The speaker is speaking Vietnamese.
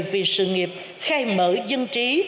vì sự nghiệp khai mở dân trí